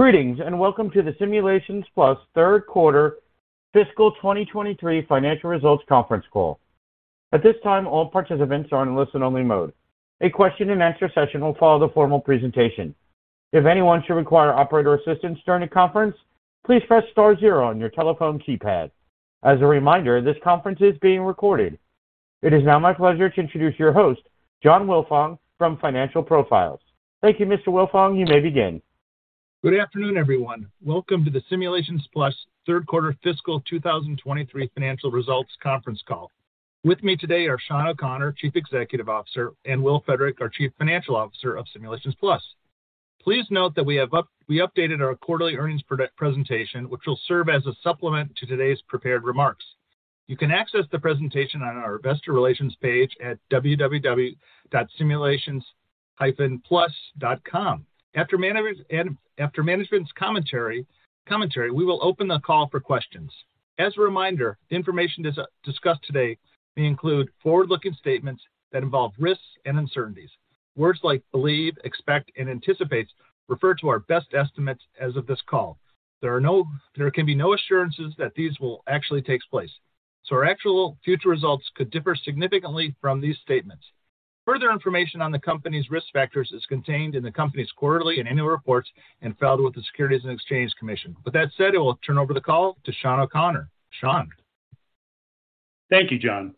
Greetings, welcome to the Simulations Plus third quarter fiscal 2023 financial results conference call. At this time, all participants are in listen-only mode. A question and answer session will follow the formal presentation. If anyone should require operator assistance during the conference, please press star zero on your telephone keypad. As a reminder, this conference is being recorded. It is now my pleasure to introduce your host, John Wilfong, from Financial Profiles. Thank you, Mr. Wilfong. You may begin. Good afternoon, everyone. Welcome to the Simulations Plus third quarter fiscal 2023 financial results conference call. With me today are Shawn O'Connor, Chief Executive Officer, and Will Frederick, our Chief Financial Officer of Simulations Plus. Please note that we have updated our quarterly earnings product presentation, which will serve as a supplement to today's prepared remarks. You can access the presentation on our investor relations page at www.simulations-plus.com. After management's commentary, we will open the call for questions. As a reminder, the information discussed today may include forward-looking statements that involve risks and uncertainties. Words like believe, expect, and anticipates refer to our best estimates as of this call. There can be no assurances that these will actually takes place, so our actual future results could differ significantly from these statements. Further information on the company's risk factors is contained in the company's quarterly and annual reports and filed with the Securities and Exchange Commission. With that said, I will turn over the call to Shawn O'Connor. Shawn? Thank you, John.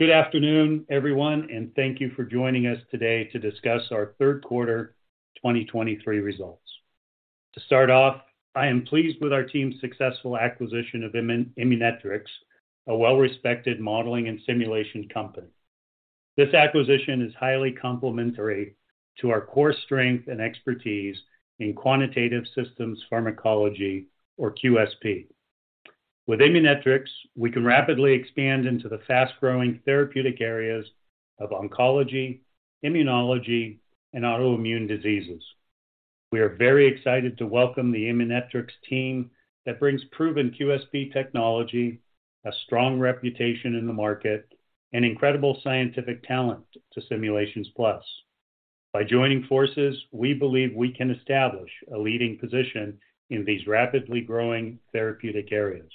Good afternoon, everyone, and thank you for joining us today to discuss our third quarter 2023 results. To start off, I am pleased with our team's successful acquisition of Immunetrics, a well-respected modeling and simulation company. This acquisition is highly complementary to our core strength and expertise in quantitative systems pharmacology, or QSP. With Immunetrics, we can rapidly expand into the fast-growing therapeutic areas of oncology, immunology, and autoimmune diseases. We are very excited to welcome the Immunetrics team, that brings proven QSP technology, a strong reputation in the market, and incredible scientific talent to Simulations Plus. By joining forces, we believe we can establish a leading position in these rapidly growing therapeutic areas.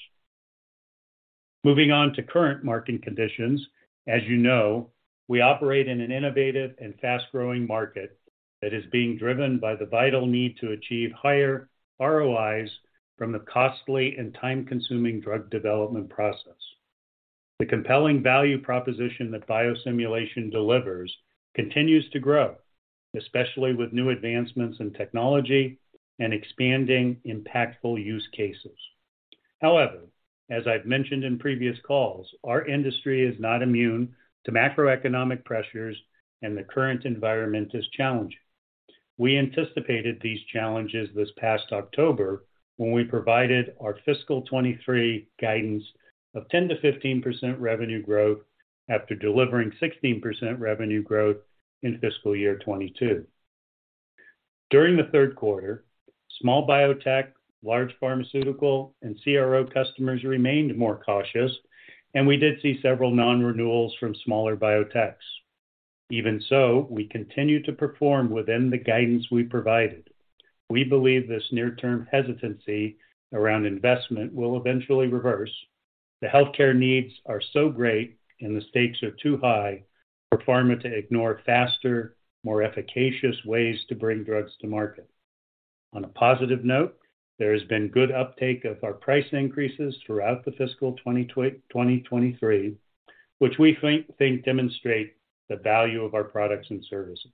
Moving on to current market conditions, as you know, we operate in an innovative and fast-growing market that is being driven by the vital need to achieve higher ROIs from the costly and time-consuming drug development process. The compelling value proposition that biosimulation delivers continues to grow, especially with new advancements in technology and expanding impactful use cases. As I've mentioned in previous calls, our industry is not immune to macroeconomic pressures, and the current environment is challenging. We anticipated these challenges this past October when we provided our fiscal 23 guidance of 10%-15% revenue growth after delivering 16% revenue growth in fiscal year 22. During the third quarter, small biotech, large pharmaceutical, and CRO customers remained more cautious, and we did see several non-renewals from smaller biotechs. We continued to perform within the guidance we provided. We believe this near-term hesitancy around investment will eventually reverse. The healthcare needs are so great, and the stakes are too high for pharma to ignore faster, more efficacious ways to bring drugs to market. On a positive note, there has been good uptake of our price increases throughout the fiscal 2023, which we think demonstrate the value of our products and services.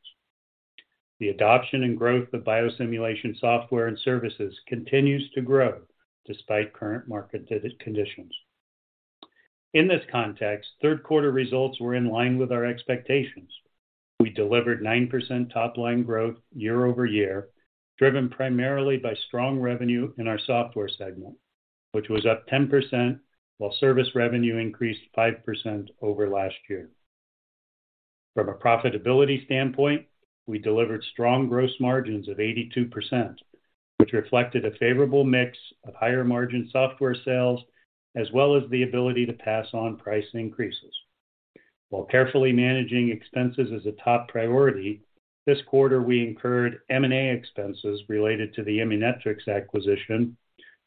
The adoption and growth of biosimulation software and services continues to grow despite current market conditions. In this context, third quarter results were in line with our expectations. We delivered 9% top-line growth year-over-year, driven primarily by strong revenue in our software segment, which was up 10%, while service revenue increased 5% over last year. From a profitability standpoint, we delivered strong gross margins of 82%, which reflected a favorable mix of higher-margin software sales, as well as the ability to pass on price increases. While carefully managing expenses is a top priority, this quarter we incurred M&A expenses related to the Immunetrics acquisition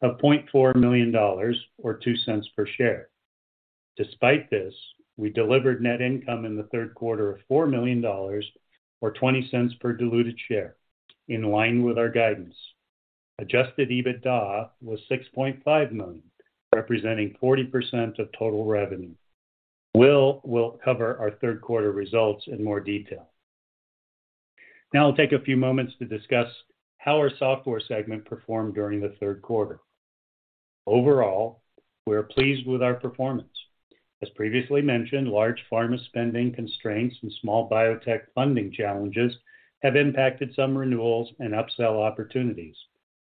of $0.4 million, or $0.02 per share. Despite this, we delivered net income in the third quarter of $4 million, or $0.20 per diluted share, in line with our guidance. Adjusted EBITDA was $6.5 million, representing 40% of total revenue. Will cover our third quarter results in more detail. I'll take a few moments to discuss how our software segment performed during the third quarter. Overall, we are pleased with our performance. As previously mentioned, large pharma spending constraints and small biotech funding challenges have impacted some renewals and upsell opportunities.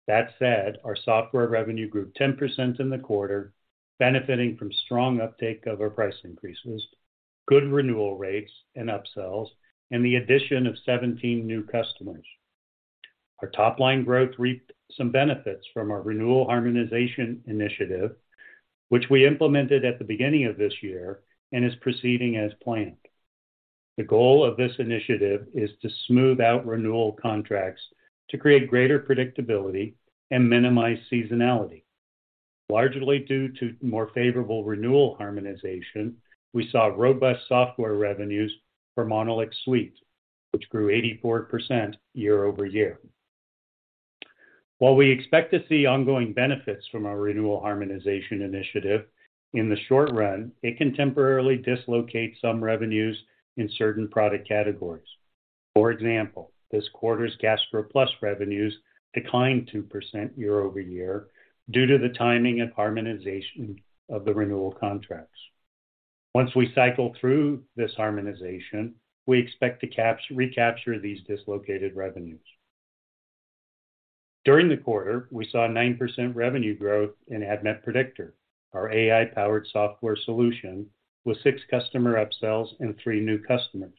That said, our software revenue grew 10% in the quarter, benefiting from strong uptake of our price increases, good renewal rates and upsells, and the addition of 17 new customers. Our top-line growth reaped some benefits from our renewal harmonization initiative, which we implemented at the beginning of this year and is proceeding as planned. The goal of this initiative is to smooth out renewal contracts to create greater predictability and minimize seasonality. Largely due to more favorable renewal harmonization, we saw robust software revenues for MonolixSuite, which grew 84% year-over-year. While we expect to see ongoing benefits from our renewal harmonization initiative, in the short run, it can temporarily dislocate some revenues in certain product categories. For example, this quarter's GastroPlus revenues declined 2% year-over-year due to the timing of harmonization of the renewal contracts. Once we cycle through this harmonization, we expect to recapture these dislocated revenues. During the quarter, we saw a 9% revenue growth in ADMET Predictor, our AI-powered software solution, with six customer upsells and three new customers.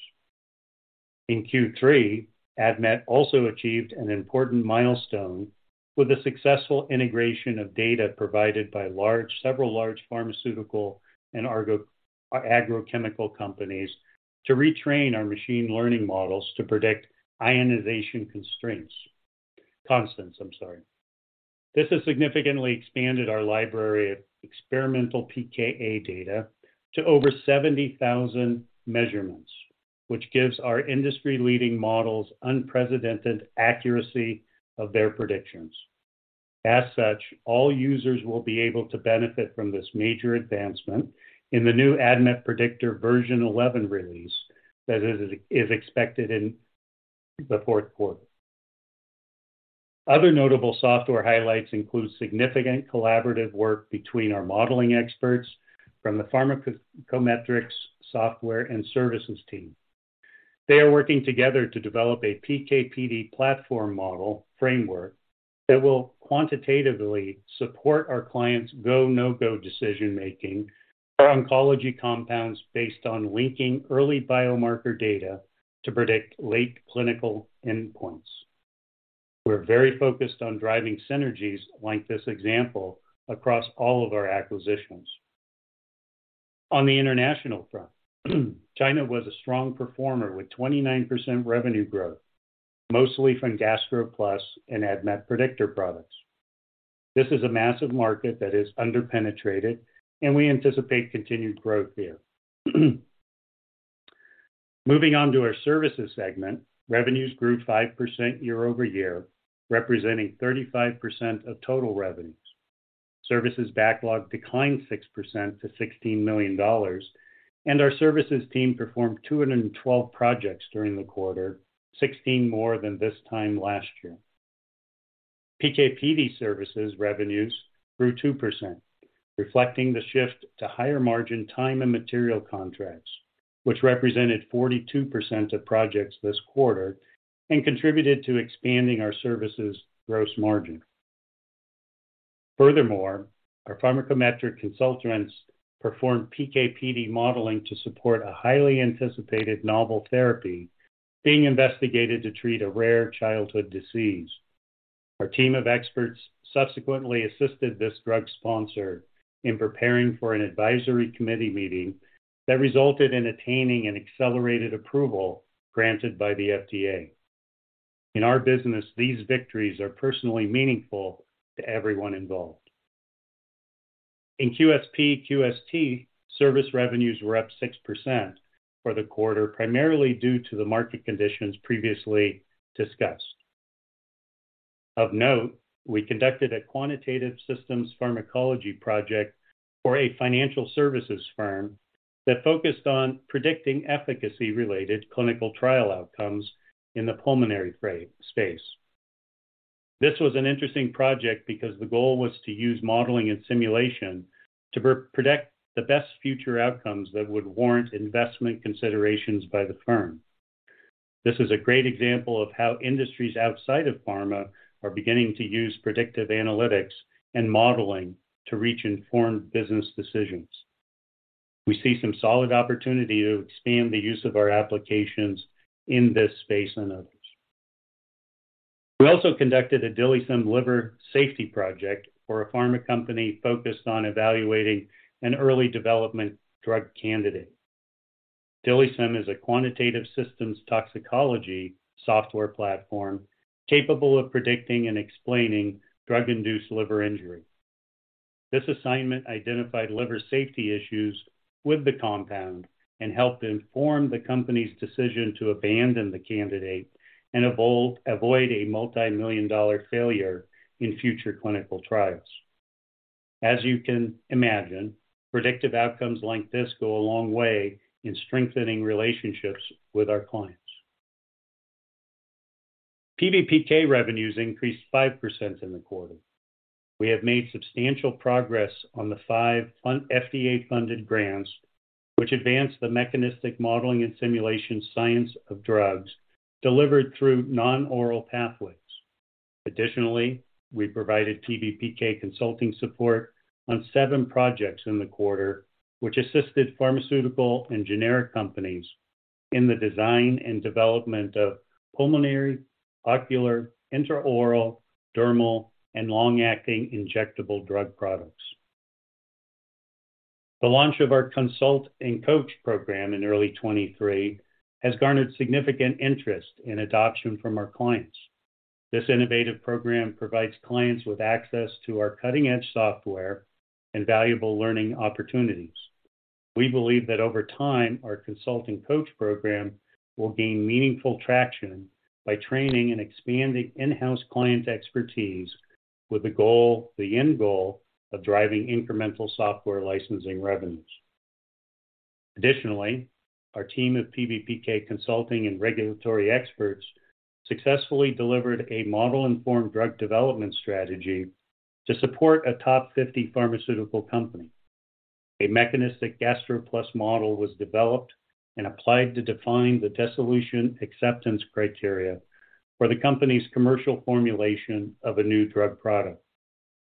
In Q3, ADMET also achieved an important milestone with the successful integration of data provided by large, several large pharmaceutical and agrochemical companies to retrain our machine learning models to predict ionization constants. Constants, I'm sorry. This has significantly expanded our library of experimental pKa data to over 70,000 measurements, which gives our industry-leading models unprecedented accuracy of their predictions. As such, all users will be able to benefit from this major advancement in the new ADMET Predictor version 11 release that is expected in the fourth quarter. Other notable software highlights include significant collaborative work between our modeling experts from the pharmacometrics software and services team. They are working together to develop a PK/PD platform model framework that will quantitatively support our clients' go, no-go decision-making for oncology compounds based on linking early biomarker data to predict late clinical endpoints. We're very focused on driving synergies like this example across all of our acquisitions. On the international front, China was a strong performer with 29% revenue growth, mostly from GastroPlus and ADMET Predictor products. This is a massive market that is under-penetrated. We anticipate continued growth there. Moving on to our services segment, revenues grew 5% year-over-year, representing 35% of total revenues. Services backlog declined 6% to $16 million. Our services team performed 212 projects during the quarter, 16 more than this time last year. PK/PD services revenues grew 2%, reflecting the shift to higher-margin time and material contracts, which represented 42% of projects this quarter and contributed to expanding our services' gross margin. Our Pharmacometric consultants performed PK/PD modeling to support a highly anticipated novel therapy being investigated to treat a rare childhood disease. Our team of experts subsequently assisted this drug sponsor in preparing for an advisory committee meeting that resulted in attaining an accelerated approval granted by the FDA. In our business, these victories are personally meaningful to everyone involved. In QSP/QST, service revenues were up 6% for the quarter, primarily due to the market conditions previously discussed. Of note, we conducted a quantitative systems pharmacology project for a financial services firm that focused on predicting efficacy-related clinical trial outcomes in the pulmonary space. This was an interesting project because the goal was to use modeling and simulation to pre-predict the best future outcomes that would warrant investment considerations by the firm. This is a great example of how industries outside of pharma are beginning to use predictive analytics and modeling to reach informed business decisions. We see some solid opportunity to expand the use of our applications in this space and others. We also conducted a DILIsym liver safety project for a pharma company focused on evaluating an early development drug candidate. DILIsym is a quantitative systems toxicology software platform capable of predicting and explaining drug-induced liver injury. This assignment identified liver safety issues with the compound and helped inform the company's decision to abandon the candidate and avoid a $multi-million failure in future clinical trials. You can imagine, predictive outcomes like this go a long way in strengthening relationships with our clients. PBPK revenues increased 5% in the quarter. We have made substantial progress on the five FDA-funded grants, which advanced the mechanistic modeling and simulation science of drugs delivered through non-oral pathways. We provided PBPK consulting support on seven projects in the quarter, which assisted pharmaceutical and generic companies in the design and development of pulmonary, ocular, intraoral, dermal, and long-acting injectable drug products. The launch of our Consult + Coach program in early 2023 has garnered significant interest and adoption from our clients. This innovative program provides clients with access to our cutting-edge software and valuable learning opportunities. We believe that over time, our Consult + Coach program will gain meaningful traction by training and expanding in-house client expertise, with the end goal of driving incremental software licensing revenues. Our team of PBPK consulting and regulatory experts successfully delivered a model-informed drug development strategy to support a top 50 pharmaceutical company. A mechanistic GastroPlus model was developed and applied to define the dissolution acceptance criteria for the company's commercial formulation of a new drug product,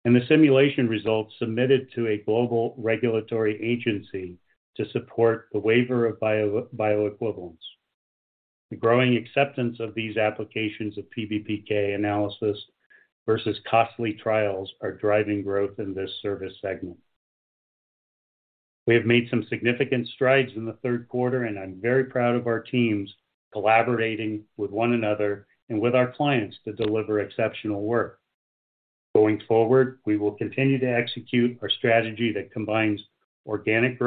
and the simulation results submitted to a global regulatory agency to support the waiver of bioequivalence. The growing acceptance of these applications of PBPK analysis versus costly trials are driving growth in this service segment. We have made some significant strides in the third quarter, and I'm very proud of our teams collaborating with one another and with our clients to deliver exceptional work. Going forward, we will continue to execute our strategy that combines organic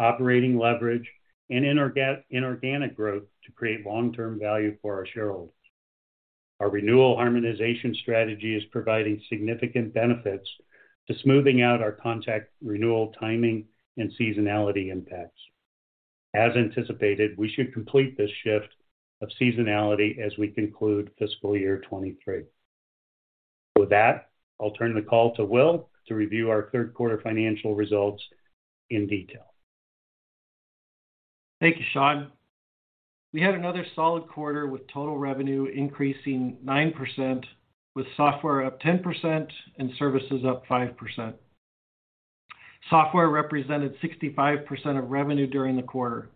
growth, operating leverage, and inorganic growth to create long-term value for our shareholders. Our renewal harmonization strategy is providing significant benefits to smoothing out our contact renewal, timing, and seasonality impacts. As anticipated, we should complete this shift of seasonality as we conclude fiscal year 2023. With that, I'll turn the call to Will to review our third quarter financial results in detail. Thank you, Shawn. We had another solid quarter, with total revenue increasing 9%, with software up 10% and services up 5%. Software represented 65% of revenue during the quarter.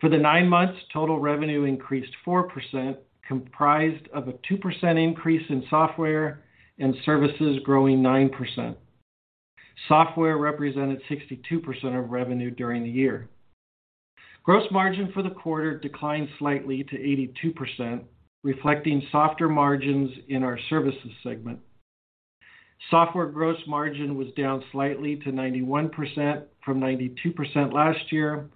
For the nine months, total revenue increased 4%, comprised of a 2% increase in software and services growing 9%. Software represented 62% of revenue during the year. Gross margin for the quarter declined slightly to 82%, reflecting softer margins in our services segment. Software gross margin was down slightly to 91% from 92% last year,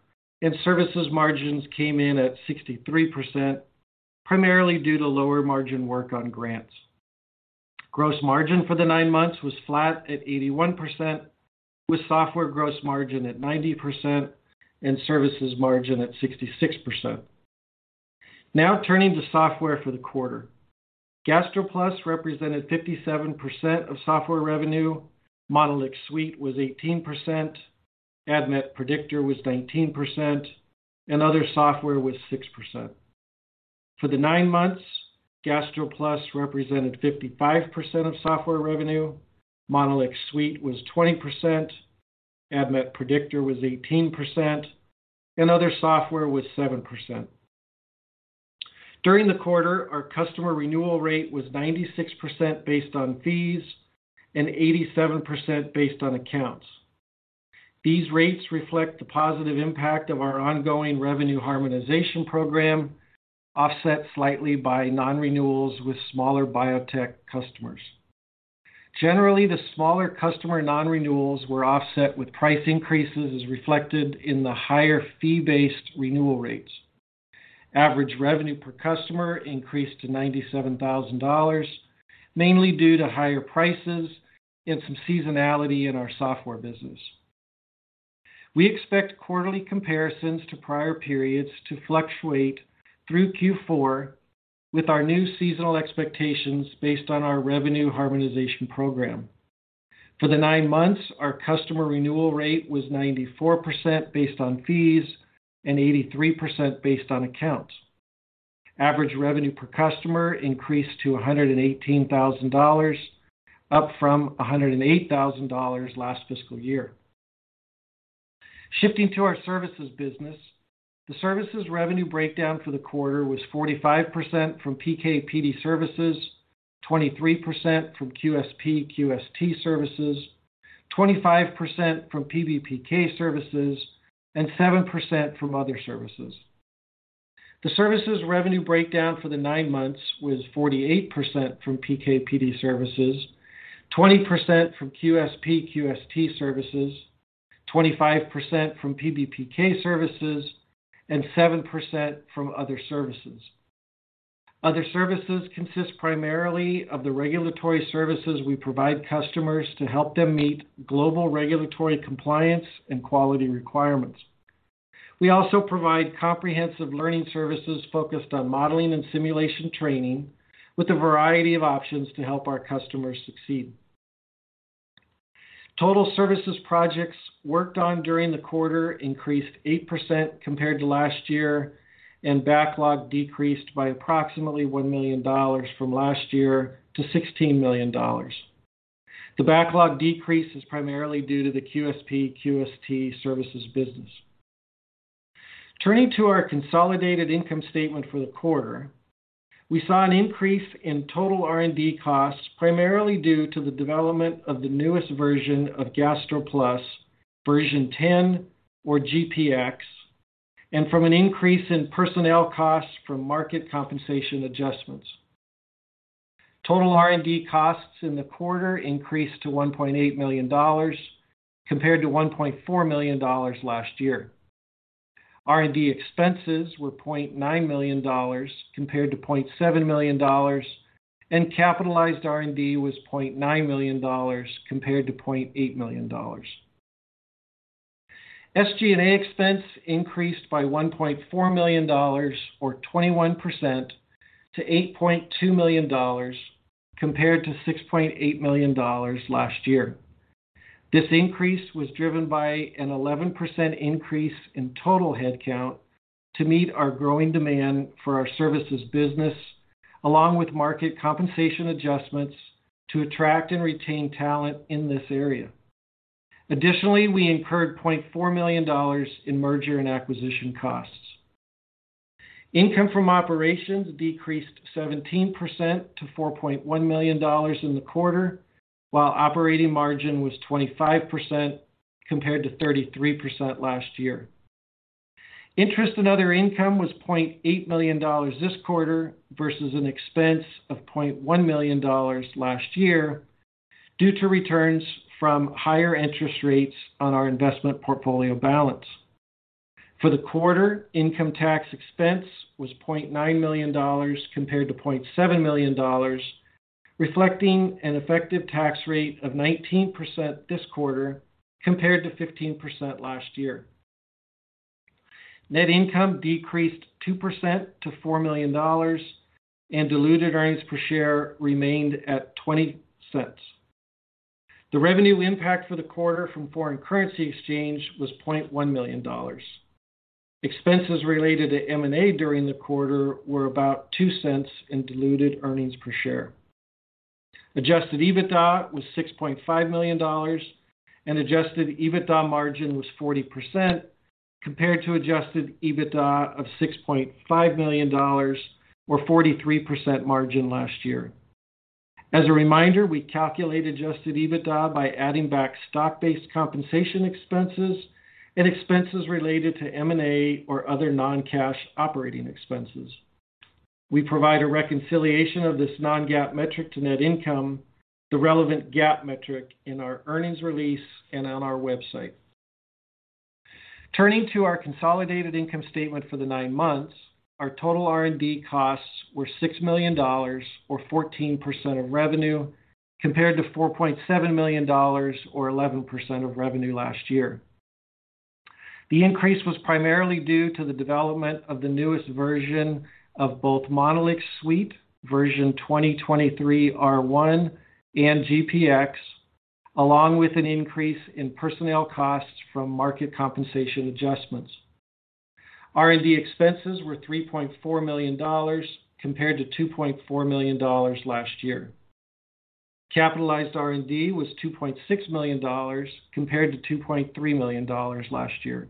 and services margins came in at 63%, primarily due to lower margin work on grants. Gross margin for the nine months was flat at 81%, with software gross margin at 90% and services margin at 66%. Turning to software for the quarter. GastroPlus represented 57% of software revenue, MonolixSuite was 18%, ADMET Predictor was 19%, and other software was 6%. For the nine months, GastroPlus represented 55% of software revenue, MonolixSuite was 20%, ADMET Predictor was 18%, and other software was 7%. During the quarter, our customer renewal rate was 96% based on fees and 87% based on accounts. These rates reflect the positive impact of our ongoing revenue harmonization program, offset slightly by non-renewals with smaller biotech customers. Generally, the smaller customer non-renewals were offset with price increases, as reflected in the higher fee-based renewal rates. Average revenue per customer increased to $97,000, mainly due to higher prices and some seasonality in our software business. We expect quarterly comparisons to prior periods to fluctuate through Q4 with our new seasonal expectations based on our revenue harmonization program. For the nine months, our customer renewal rate was 94% based on fees and 83% based on accounts. Average revenue per customer increased to $118,000, up from $108,000 last fiscal year. Shifting to our services business. The services revenue breakdown for the quarter was 45% from PK/PD services, 23% from QSP/QST services, 25% from PBPK services, and 7% from other services. The services revenue breakdown for the nine months was 48% from PK/PD services, 20% from QSP/QST services, 25% from PBPK services, and 7% from other services. Other services consist primarily of the regulatory services we provide customers to help them meet global regulatory compliance and quality requirements. We also provide comprehensive learning services focused on modeling and simulation training, with a variety of options to help our customers succeed. Total services projects worked on during the quarter increased 8% compared to last year. Backlog decreased by approximately $1 million from last year to $16 million. The backlog decrease is primarily due to the QSP/QST services business. Turning to our consolidated income statement for the quarter, we saw an increase in total R&D costs, primarily due to the development of the newest version of GastroPlus, version 10, or GPX, and from an increase in personnel costs from market compensation adjustments. Total R&D costs in the quarter increased to $1.8 million, compared to $1.4 million last year. R&D expenses were $0.9 million, compared to $0.7 million, and capitalized R&D was $0.9 million, compared to $0.8 million. SG&A expense increased by $1.4 million or 21% to $8.2 million, compared to $6.8 million last year. This increase was driven by an 11% increase in total headcount to meet our growing demand for our services business, along with market compensation adjustments to attract and retain talent in this area. We incurred $0.4 million in merger and acquisition costs. Income from operations decreased 17% to $4.1 million in the quarter, while operating margin was 25%, compared to 33% last year. Interest in other income was $0.8 million this quarter, versus an expense of $0.1 million last year, due to returns from higher interest rates on our investment portfolio balance. For the quarter, income tax expense was $0.9 million, compared to $0.7 million, reflecting an effective tax rate of 19% this quarter, compared to 15% last year. Net income decreased 2% to $4 million, and diluted earnings per share remained at $0.20. The revenue impact for the quarter from foreign currency exchange was $0.1 million. Expenses related to M&A during the quarter were about $0.02 in diluted earnings per share. Adjusted EBITDA was $6.5 million, and adjusted EBITDA margin was 40%, compared to adjusted EBITDA of $6.5 million or 43% margin last year. As a reminder, we calculate adjusted EBITDA by adding back stock-based compensation expenses and expenses related to M&A or other non-cash operating expenses. We provide a reconciliation of this non-GAAP metric to net income, the relevant GAAP metric, in our earnings release and on our website. Turning to our consolidated income statement for the nine months, our total R&D costs were $6 million, or 14% of revenue, compared to $4.7 million, or 11% of revenue last year. The increase was primarily due to the development of the newest version of both MonolixSuite, version 2023R1 and GPX, along with an increase in personnel costs from market compensation adjustments. R&D expenses were $3.4 million, compared to $2.4 million last year. Capitalized R&D was $2.6 million, compared to $2.3 million last year.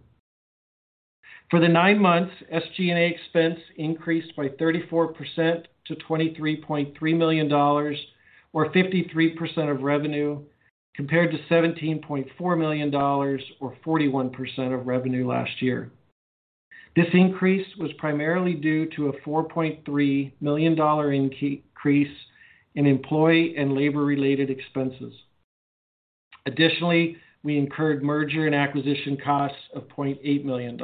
For the nine months, SG&A expense increased by 34% to $23.3 million, or 53% of revenue, compared to $17.4 million, or 41% of revenue last year. This increase was primarily due to a $4.3 million increase in employee and labor-related expenses. Additionally, we incurred merger and acquisition costs of $0.8 million.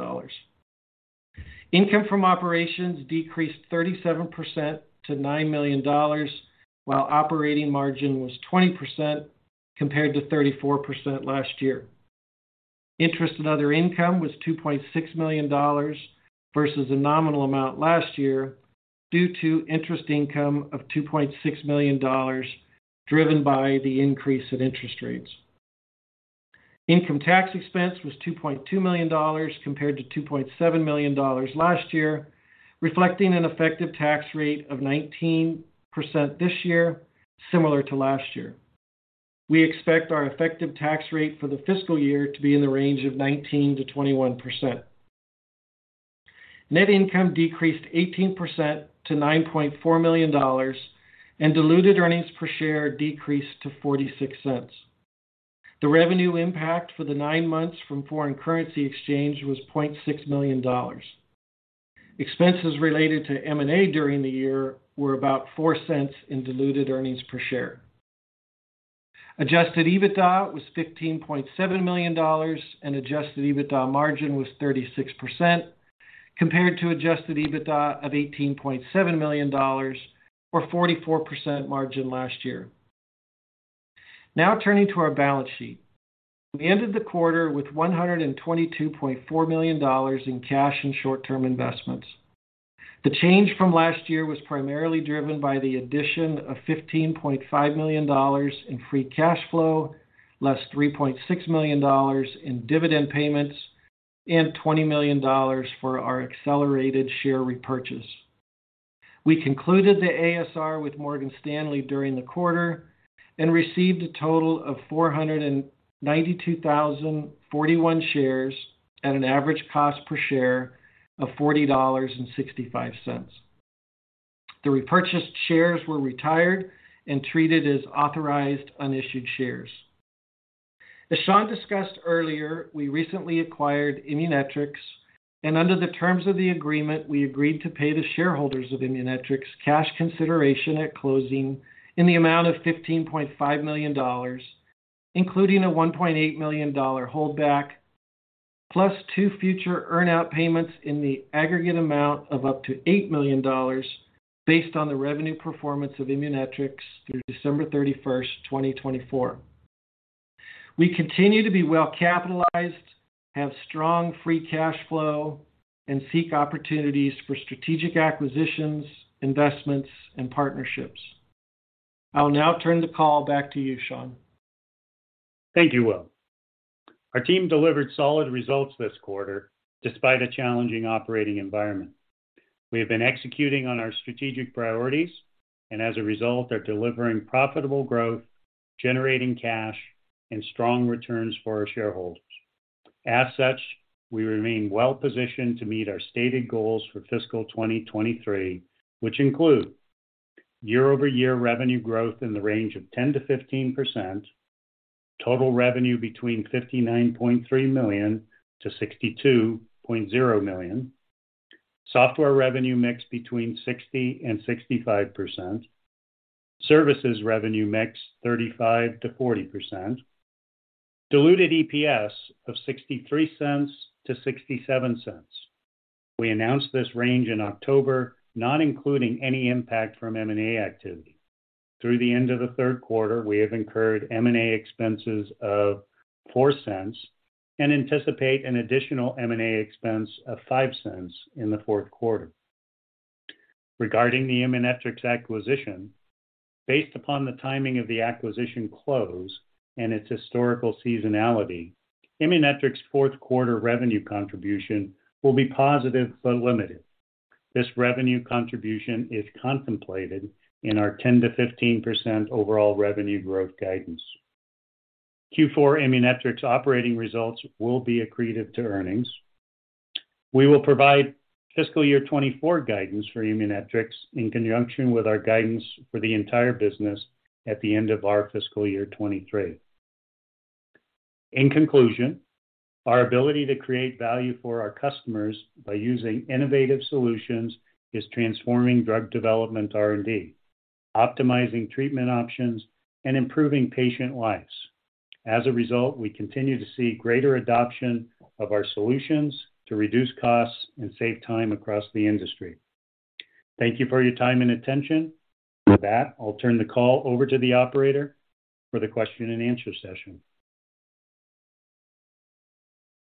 Income from operations decreased 37% to $9 million, while operating margin was 20%, compared to 34% last year. Interest in other income was $2.6 million, versus a nominal amount last year, due to interest income of $2.6 million, driven by the increase in interest rates. Income tax expense was $2.2 million, compared to $2.7 million last year, reflecting an effective tax rate of 19% this year, similar to last year. We expect our effective tax rate for the fiscal year to be in the range of 19%-21%. Net income decreased 18% to $9.4 million, and diluted earnings per share decreased to $0.46. The revenue impact for the nine months from foreign currency exchange was $0.6 million. Expenses related to M&A during the year were about $0.04 in diluted earnings per share. Adjusted EBITDA was $15.7 million, and adjusted EBITDA margin was 36%, compared to adjusted EBITDA of $18.7 million or 44% margin last year. Turning to our balance sheet. We ended the quarter with $122.4 million in cash and short-term investments. The change from last year was primarily driven by the addition of $15.5 million in free cash flow, less $3.6 million in dividend payments and $20 million for our accelerated share repurchase. We concluded the ASR with Morgan Stanley during the quarter and received a total of 492,041 shares at an average cost per share of $40.65. The repurchased shares were retired and treated as authorized, unissued shares. As Shawn discussed earlier, we recently acquired Immunetrics, and under the terms of the agreement, we agreed to pay the shareholders of Immunetrics cash consideration at closing in the amount of $15.5 million, including a $1.8 million holdback, plus two future earn-out payments in the aggregate amount of up to $8 million, based on the revenue performance of Immunetrics through December 31st, 2024. We continue to be well capitalized, have strong free cash flow, and seek opportunities for strategic acquisitions, investments, and partnerships. I'll now turn the call back to you, Shawn. Thank you, Will. Our team delivered solid results this quarter, despite a challenging operating environment. We have been executing on our strategic priorities and as a result, are delivering profitable growth, generating cash, and strong returns for our shareholders. As such, we remain well positioned to meet our stated goals for fiscal 2023, which include year-over-year revenue growth in the range of 10%-15%, total revenue between $59.3 million-$62.0 million, software revenue mix between 60%-65%, services revenue mix, 35%-40%, diluted EPS of $0.63-$0.67. We announced this range in October, not including any impact from M&A activity. Through the end of the third quarter, we have incurred M&A expenses of $0.04 and anticipate an additional M&A expense of $0.05 in the fourth quarter. Regarding the Immunetrics acquisition, based upon the timing of the acquisition close and its historical seasonality, Immunetrics' fourth quarter revenue contribution will be positive but limited. This revenue contribution is contemplated in our 10%-15% overall revenue growth guidance. Q4 Immunetrics operating results will be accretive to earnings. We will provide fiscal year 2024 guidance for Immunetrics in conjunction with our guidance for the entire business at the end of our fiscal year 2023. In conclusion, our ability to create value for our customers by using innovative solutions is transforming drug development R&D, optimizing treatment options, and improving patient lives. As a result, we continue to see greater adoption of our solutions to reduce costs and save time across the industry. Thank you for your time and attention. With that, I'll turn the call over to the operator for the question and answer session.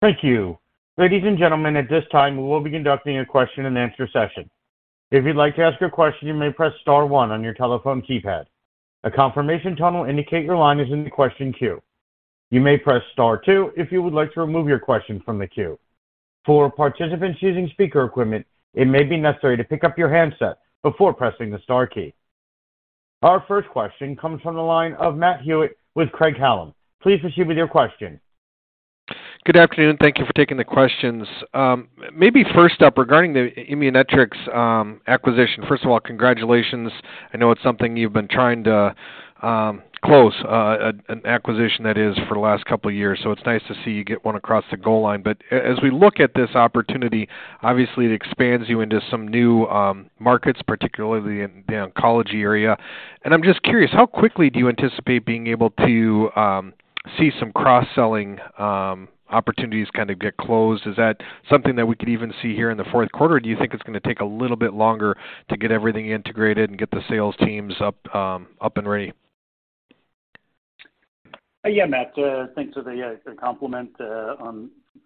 Thank you. Ladies and gentlemen, at this time, we will be conducting a question-and-answer session. If you'd like to ask a question, you may press star one on your telephone keypad. A confirmation tone will indicate your line is in the question queue. You may press star two if you would like to remove your question from the queue. For participants using speaker equipment, it may be necessary to pick up your handset before pressing the star key. Our first question comes from the line of Matt Hewitt with Craig-Hallum. Please proceed with your question. Good afternoon, thank you for taking the questions. Maybe first up, regarding the Immunetrics acquisition. First of all, congratulations. I know it's something you've been trying to close an acquisition that is for the last couple of years, it's nice to see you get one across the goal line. As we look at this opportunity, obviously it expands you into some new markets, particularly in the oncology area. I'm just curious, how quickly do you anticipate being able to see some cross-selling opportunities kind of get closed? Is that something that we could even see here in the fourth quarter, or do you think it's gonna take a little bit longer to get everything integrated and get the sales teams up and ready? Yeah, Matt, thanks for the compliment.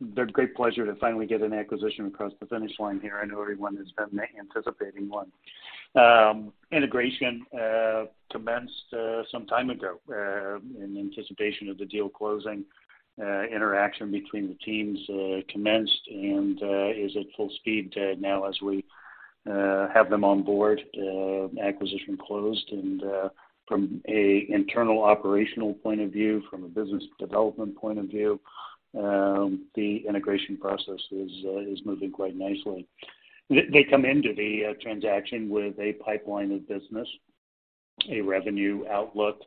they're great pleasure to finally get an acquisition across the finish line here. I know everyone has been anticipating one. Integration commenced some time ago in anticipation of the deal closing. Interaction between the teams commenced and is at full speed now as we have them on board. Acquisition closed. From a internal operational point of view, from a business development point of view, the integration process is moving quite nicely. They come into the transaction with a pipeline of business, a revenue outlook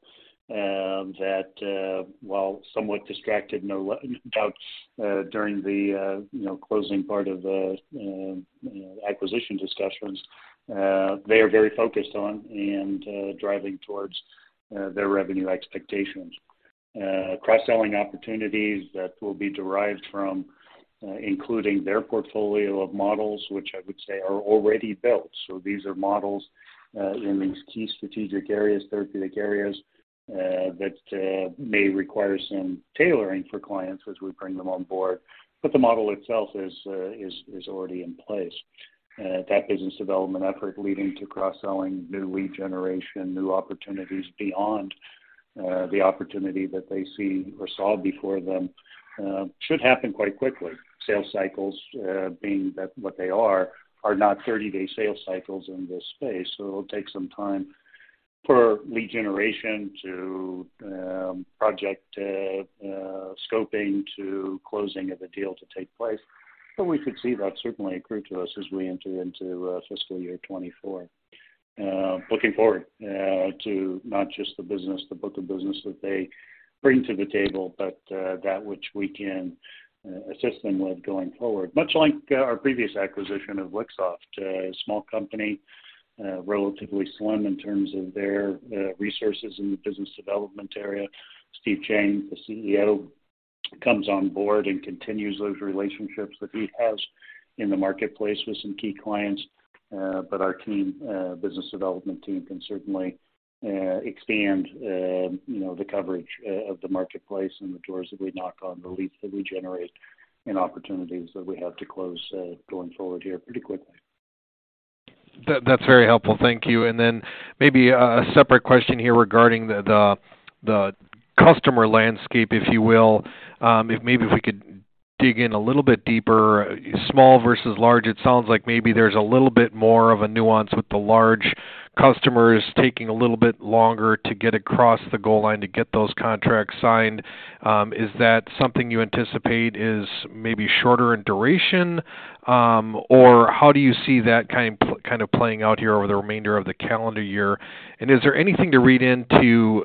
that, while somewhat distracted, no doubt, during the, you know, closing part of the acquisition discussions, they are very focused on and driving towards their revenue expectations. Cross-selling opportunities that will be derived from including their portfolio of models, which I would say are already built. These are models in these key strategic areas, therapeutic areas, that may require some tailoring for clients as we bring them on board. The model itself is already in place. That business development effort leading to cross-selling, new lead generation, new opportunities beyond. The opportunity that they see or saw before them should happen quite quickly. Sales cycles, being that what they are not 30-day sales cycles in this space. It'll take some time for lead generation to project scoping, to closing of the deal to take place. We could see that certainly accrue to us as we enter into fiscal year 2024. Looking forward to not just the business, the book of business that they bring to the table, but that which we can assist them with going forward. Much like our previous acquisition of Lixoft, a small company, relatively slim in terms of their resources in the business development area. Steve Chang, the CEO, comes on board and continues those relationships that he has in the marketplace with some key clients. Our team, business development team, can certainly expand, you know, the coverage of the marketplace and the doors that we knock on, the leads that we generate, and opportunities that we have to close, going forward here pretty quickly. That's very helpful. Thank you. Then maybe a separate question here regarding the customer landscape, if you will. If we could dig in a little bit deeper, small versus large, it sounds like maybe there's a little bit more of a nuance with the large customers taking a little bit longer to get across the goal line to get those contracts signed. Is that something you anticipate is maybe shorter in duration? Or how do you see that kind of playing out here over the remainder of the calendar year? Is there anything to read into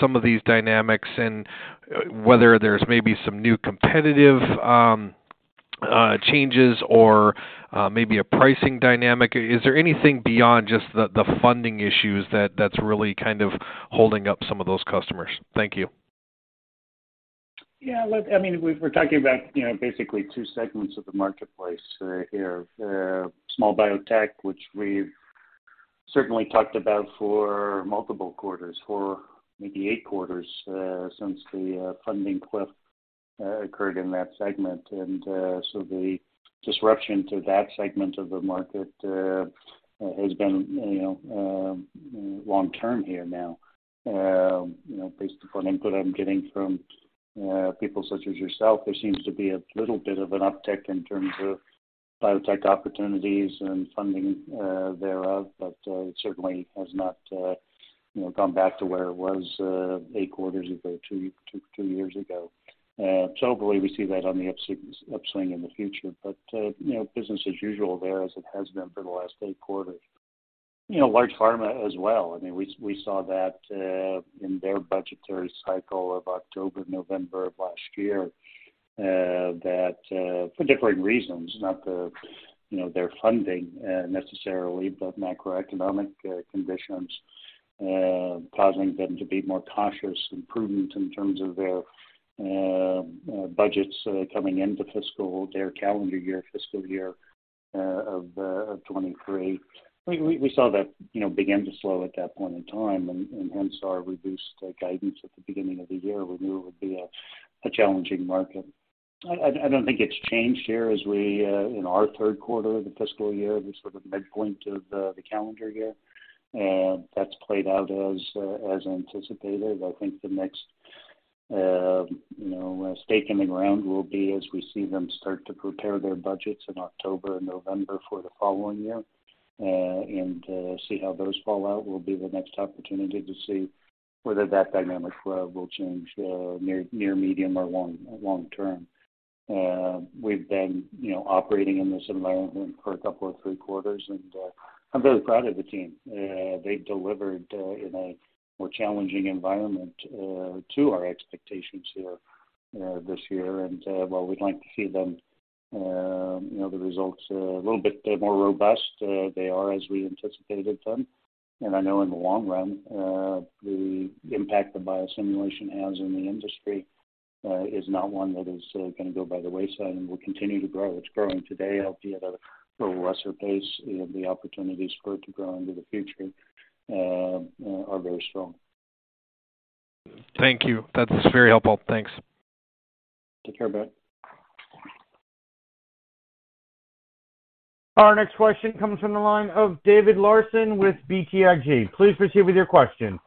some of these dynamics and whether there's maybe some new competitive changes or maybe a pricing dynamic? Is there anything beyond just the funding issues that's really kind of holding up some of those customers? Thank you. Yeah, look, I mean, we're talking about, you know, basically two segments of the marketplace here. Small biotech, which we've certainly talked about for multiple quarters, for maybe eight quarters, since the funding cliff occurred in that segment. The disruption to that segment of the market has been, you know, long term here now. You know, based upon input I'm getting from people such as yourself, there seems to be a little bit of an uptick in terms of biotech opportunities and funding thereof, but it certainly has not, you know, gone back to where it was eight quarters ago, two years ago. Hopefully we see that on the upswing in the future, but, you know, business as usual there, as it has been for the last eight quarters. You know, large pharma as well. I mean, we saw that in their budgetary cycle of October, November of last year, that for different reasons, not the, you know, their funding, necessarily, but macroeconomic conditions causing them to be more cautious and prudent in terms of their budgets coming into their calendar year, fiscal year of 2023. We saw that, you know, begin to slow at that point in time, and hence our reduced guidance at the beginning of the year, where knew it would be a challenging market. I don't think it's changed here as we in our third quarter of the fiscal year, the sort of midpoint of the calendar year, that's played out as anticipated. I think the next, you know, stake in the ground will be as we see them start to prepare their budgets in October and November for the following year, and see how those fall out, will be the next opportunity to see whether that dynamic will change near, medium or long term. We've been, you know, operating in this environment for a couple of three quarters, and I'm very proud of the team. They delivered in a more challenging environment to our expectations here this year. While we'd like to see them, you know, the results, a little bit more robust, they are as we anticipated them. I know in the long run, the impact that biosimulation has in the industry, is not one that is gonna go by the wayside and will continue to grow. It's growing today, albeit at a little lesser pace, the opportunities for it to grow into the future, are very strong. Thank you. That's very helpful. Thanks. Take care, Bye. Our next question comes from the line of David Larsen with BTIG. Please proceed with your question.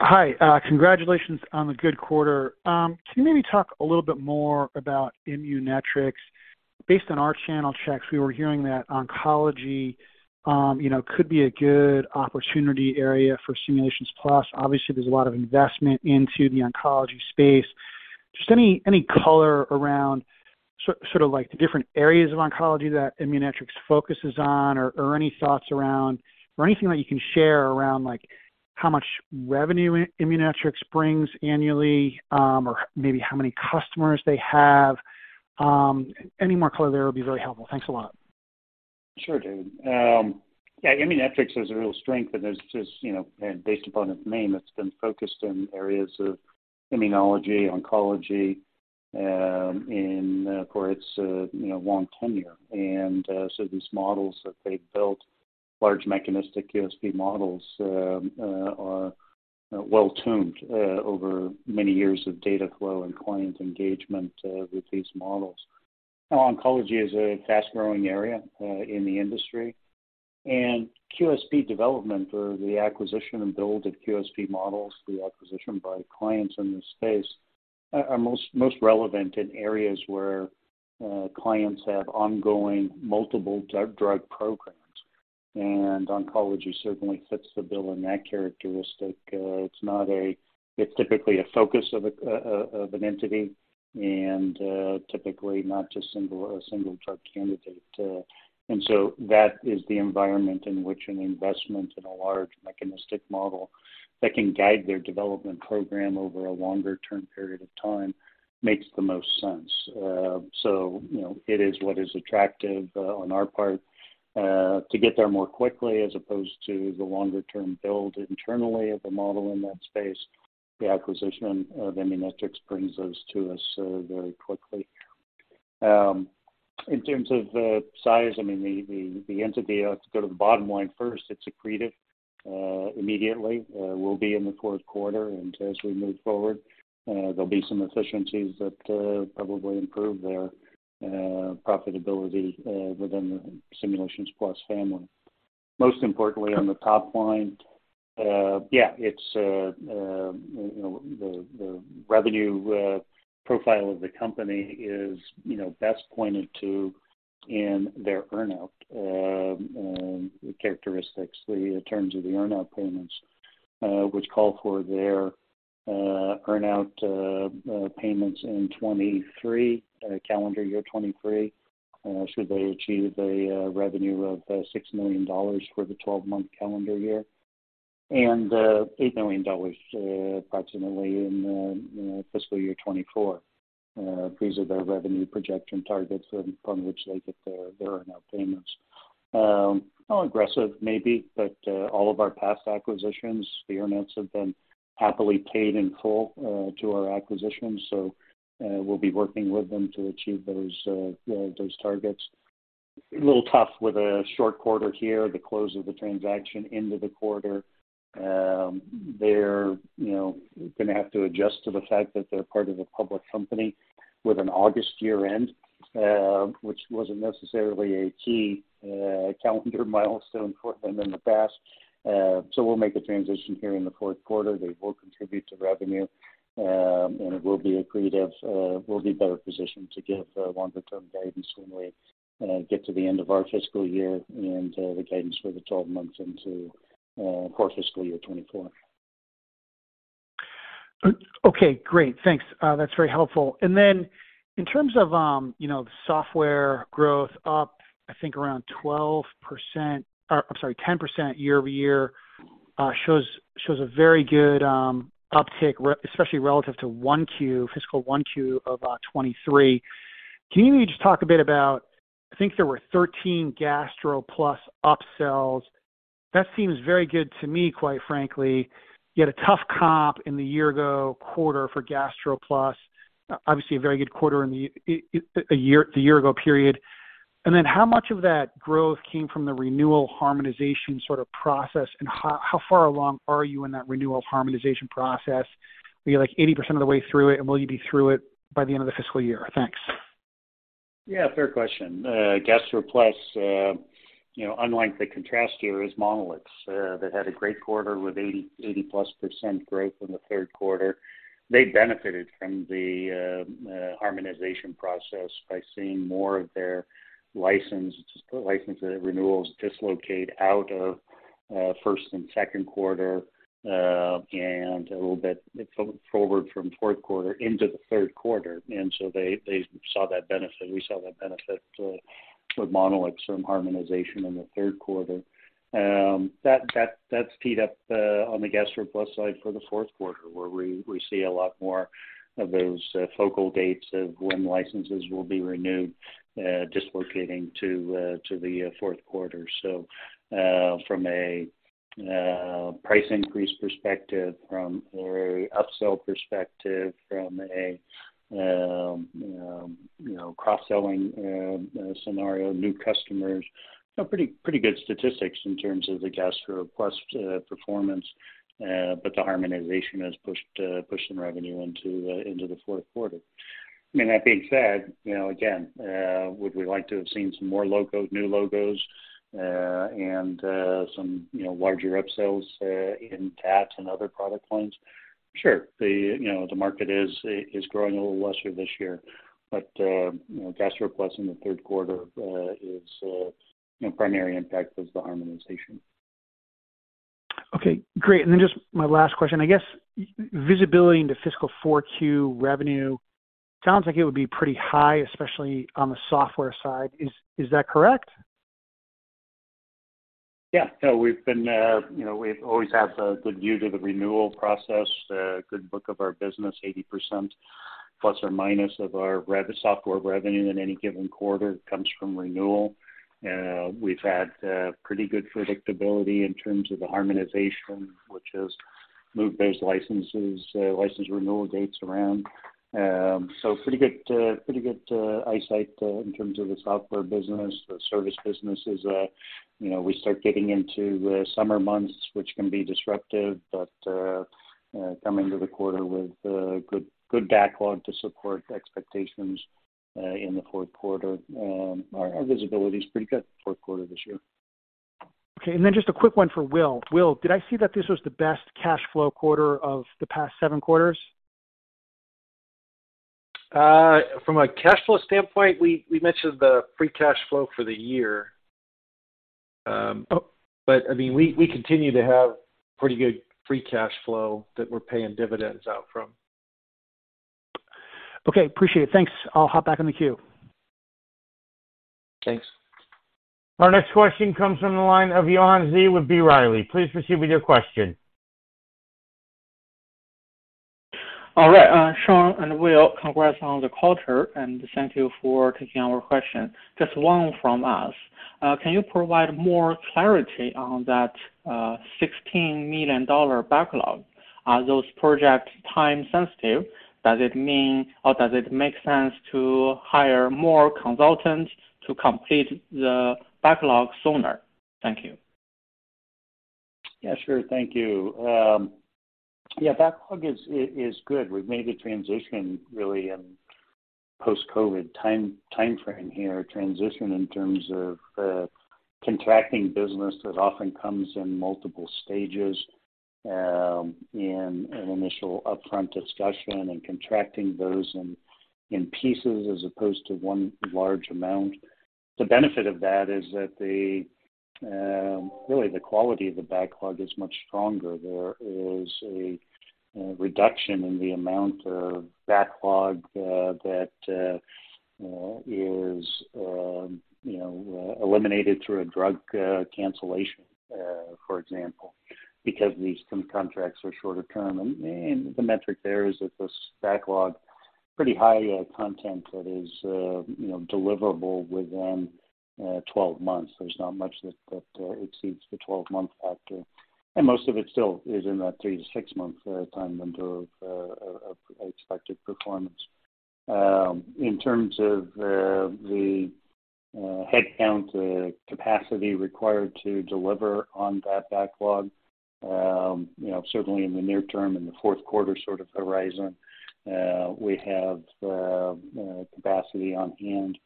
Hi, congratulations on the good quarter. Can you maybe talk a little bit more about Immunetrics? Based on our channel checks, we were hearing that oncology, you know, could be a good opportunity area for Simulations Plus. Obviously, there's a lot of investment into the oncology space. Just any color around sort of like the different areas of oncology that Immunetrics focuses on, or any thoughts around, or anything that you can share around, like how much revenue Immunetrics brings annually, or maybe how many customers they have? Any more color there would be very helpful. Thanks a lot. Sure, David. Yeah, Immunetrics is a real strength, there's just, you know, based upon its name, it's been focused in areas of immunology, oncology, and for its, you know, long tenure. So these models that they've built, large mechanistic QSP models, are well-tuned over many years of data flow and client engagement with these models. Well, oncology is a fast growing area in the industry. QSP development or the acquisition and build of QSP models, the acquisition by clients in this space, are most relevant in areas where clients have ongoing multiple drug programs. Oncology certainly fits the bill in that characteristic. It's typically a focus of an entity and typically not just a single drug candidate. That is the environment in which an investment in a large mechanistic model that can guide their development program over a longer term period of time makes the most sense. You know, it is what is attractive on our part to get there more quickly as opposed to the longer term build internally of a model in that space. The acquisition of Immunetrics brings those to us very quickly. In terms of the size, I mean, the entity to go to the bottom line first, it's accretive. Immediately, we'll be in the fourth quarter, as we move forward, there'll be some efficiencies that probably improve their profitability within the Simulations Plus family. Most importantly, on the top line, yeah, it's, you know, the revenue profile of the company is, you know, best pointed to in their earn-out characteristics. The terms of the earn-out payments, which call for their earn-out payments in 2023, calendar year 2023, should they achieve a revenue of $6 million for the 12-month calendar year, and $8 million approximately in, you know, fiscal year 2024. These are their revenue projection targets upon which they get their earn-out payments. How aggressive? Maybe, but all of our past acquisitions, the earn-outs have been happily paid in full to our acquisitions. We'll be working with them to achieve those targets. A little tough with a short quarter here, the close of the transaction into the quarter. They're, you know, gonna have to adjust to the fact that they're part of a public company with an August year-end, which wasn't necessarily a key calendar milestone for them in the past. We'll make a transition here in the fourth quarter. They will contribute to revenue, and it will be accretive, we'll be better positioned to give longer-term guidance when we get to the end of our fiscal year and the guidance for the 12 months into core fiscal year 2024. Okay, great. Thanks, that's very helpful. In terms of, you know, software growth up, I think around 12%, or I'm sorry, 10% year-over-year, shows a very good uptick, especially relative to 1Q, fiscal 1Q of 2023. Can you just talk a bit about, I think there were 13 GastroPlus upsells. That seems very good to me, quite frankly. You had a tough comp in the year ago quarter for GastroPlus. Obviously, a very good quarter in the year ago period. How much of that growth came from the renewal harmonization sort of process, and how far along are you in that renewal harmonization process? Are you, like, 80% of the way through it, and will you be through it by the end of the fiscal year? Thanks. Yeah, fair question. GastroPlus, you know, unlike the contrast year, is Monolix that had a great quarter with 80%+ growth in the third quarter. They benefited from the harmonization process by seeing more of their license renewals dislocate out of first and second quarter and a little bit forward from fourth quarter into the third quarter. They saw that benefit. We saw that benefit with Monolix from harmonization in the third quarter. That's teed up on the GastroPlus side for the fourth quarter, where we see a lot more of those focal dates of when licenses will be renewed dislocating to the fourth quarter. From a price increase perspective, from or upsell perspective, from a, you know, cross-selling scenario, new customers, you know, pretty good statistics in terms of the GastroPlus performance, but the harmonization has pushed some revenue into the fourth quarter. I mean, that being said, you know, again, would we like to have seen some more logos, new logos, and some, you know, larger upsells, in TAT and other product lines? Sure. The, you know, the market is growing a little lesser this year, but, you know, GastroPlus in the third quarter, is, you know, primary impact was the harmonization. Okay, great. Just my last question. I guess visibility into fiscal 4Q revenue sounds like it would be pretty high, especially on the software side. Is that correct? Yeah. We've been, you know, we've always have the good use of the renewal process, good book of our business, 80%± of our software revenue in any given quarter comes from renewal. We've had pretty good predictability in terms of the harmonization, which has moved those licenses, license renewal dates around. Pretty good eyesight in terms of the software business. The service business is, you know, we start getting into the summer months, which can be disruptive, but coming to the quarter with good backlog to support expectations in the fourth quarter. Our visibility is pretty good, fourth quarter this year. Okay, and then just a quick one for Will. Will, did I see that this was the best cash flow quarter of the past seven quarters? From a cash flow standpoint, we mentioned the free cash flow for the year. I mean, we continue to have pretty good free cash flow that we're paying dividends out from. Okay, appreciate it. Thanks. I'll hop back in the queue. Thanks. Our next question comes from the line of Yuan Zhi with B. Riley. Please proceed with your question. All right, Shawn and Will, congrats on the quarter, and thank you for taking our question. Just one from us. Can you provide more clarity on that, $16 million backlog? Are those projects time sensitive? Does it mean, or does it make sense to hire more consultants to complete the backlog sooner? Thank you. Yeah, sure. Thank you. Yeah, backlog is good. We've made a transition really in post-COVID time, timeframe here, transition in terms of contracting business that often comes in multiple stages, in an initial upfront discussion and contracting those in pieces as opposed to one large amount. The benefit of that is that the really the quality of the backlog is much stronger. There is a reduction in the amount of backlog that is, you know, eliminated through a drug cancellation, for example, because these contracts are shorter term. The metric there is that this backlog pretty high content that is, you know, deliverable within 12 months. There's not much that exceeds the 12-month factor, and most of it still is in that 3-6 month time window of expected performance. In terms of the headcount capacity required to deliver on that backlog, you know, certainly in the near term, in the fourth quarter sort of horizon, we have capacity on hand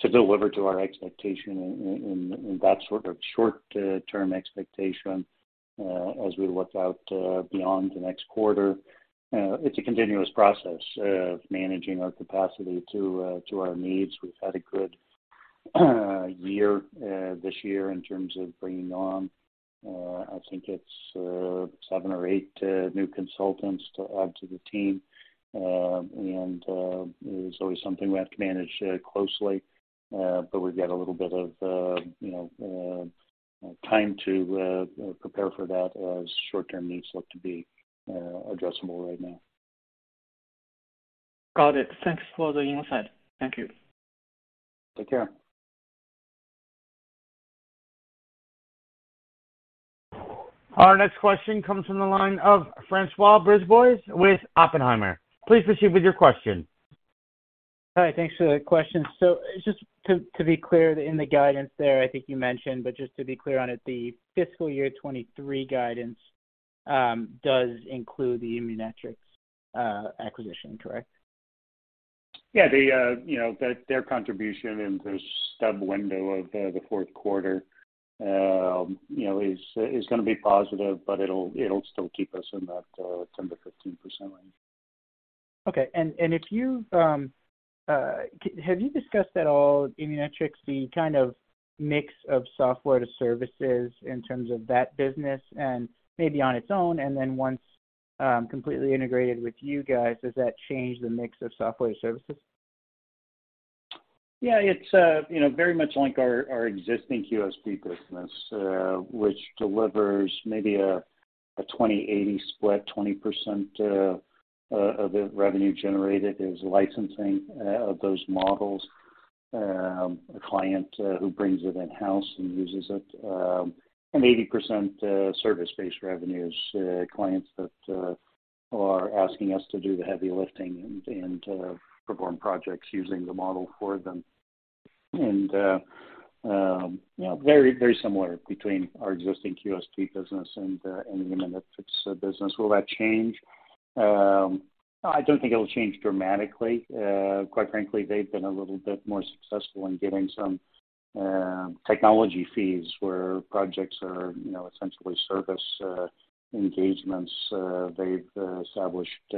to deliver to our expectation in that sort of short term expectation, as we look out beyond the next quarter. It's a continuous process of managing our capacity to our needs. We've had a good year this year in terms of bringing on, I think it's seven or eight new consultants to add to the team. It's always something we have to manage closely, but we've got a little bit of, you know, time to prepare for that as short-term needs look to be addressable right now. Got it. Thanks for the insight. Thank you. Take care. Our next question comes from the line of François Brisebois with Oppenheimer. Please proceed with your question. Hi, thanks for the question. Just to be clear, in the guidance there, I think you mentioned, but just to be clear on it, the fiscal year 2023 guidance does include the Immunetrics acquisition, correct? Yeah, the, you know, their contribution and their stub window of the fourth quarter, you know, is gonna be positive, but it'll still keep us in that 10%-15% range. Okay, if you have you discussed at all, Immunetrics, the kind of mix of software to services in terms of that business and maybe on its own, and then once completely integrated with you guys, does that change the mix of software services? Yeah, it's, you know, very much like our existing QSP business, which delivers maybe a 20-80 split, 20% of the revenue generated is licensing of those models. A client who brings it in-house and uses it, 80% service-based revenues, clients that are asking us to do the heavy lifting and perform projects using the model for them. You know, very, very similar between our existing QSP business and the Immunetrics business. Will that change? I don't think it'll change dramatically. Quite frankly, they've been a little bit more successful in getting some technology fees where projects are, you know, essentially service engagements. They've established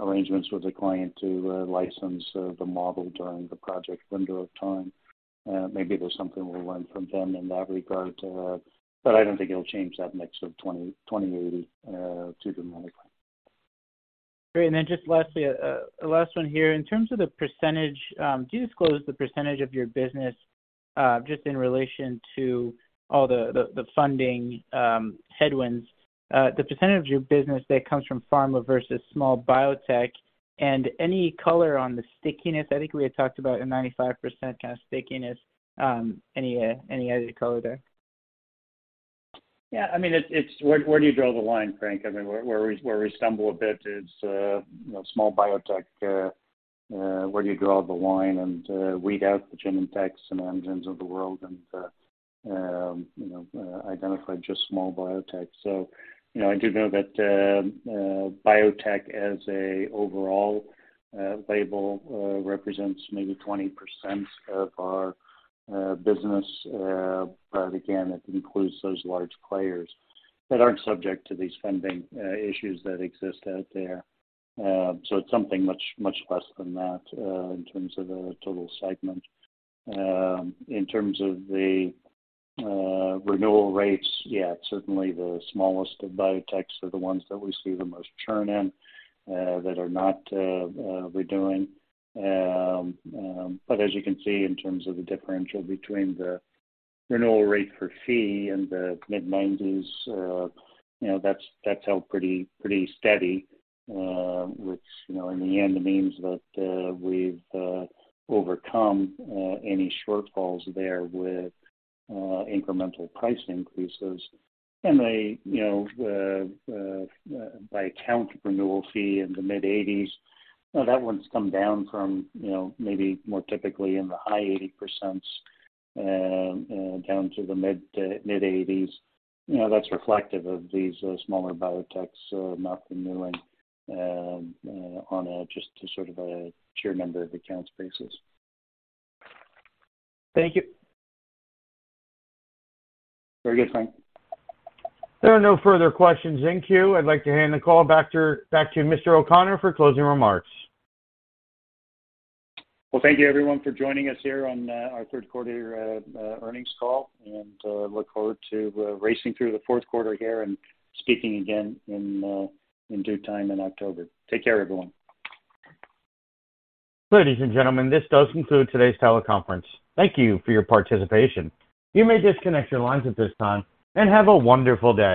arrangements with the client to license the model during the project window of time. Maybe there's something we'll learn from them in that regard, I don't think it'll change that mix of 20 80, too dramatically. Great. Just lastly, last one here. In terms of the percentage, do you disclose the percentage of your business, just in relation to all the funding, headwinds, the percentage of your business that comes from pharma versus small biotech, and any color on the stickiness? I think we had talked about a 95% kind of stickiness. Any added color there? Yeah, I mean, it's where do you draw the line, Frank? I mean, where we stumble a bit is, you know, small biotech, where do you draw the line and weed out the Genentechs and Amgens of the world and, you know, identify just small biotech. You know, I do know that biotech as a overall label represents maybe 20% of our business, but again, it includes those large players that aren't subject to these funding issues that exist out there. It's something much, much less than that in terms of the total segment. In terms of the renewal rates, yeah, certainly the smallest of biotechs are the ones that we see the most churn in that are not renewing. As you can see, in terms of the differential between the renewal rate for fee in the mid-90s, you know, that's held pretty steady, which, you know, in the end, means that we've overcome any shortfalls there with incremental price increases. The, you know, the by account renewal fee in the mid-80s, that one's come down from, you know, maybe more typically in the high 80%, down to the mid-80s. You know, that's reflective of these smaller biotechs not renewing on a just sort of a sheer number of accounts basis. Thank you. Very good, Frank. There are no further questions in queue. I'd like to hand the call back to Mr. O'Connor for closing remarks. Well, thank you, everyone, for joining us here on our third quarter earnings call, and look forward to racing through the fourth quarter here and speaking again in due time in October. Take care, everyone. Ladies and gentlemen, this does conclude today's teleconference. Thank you for your participation. You may disconnect your lines at this time. Have a wonderful day!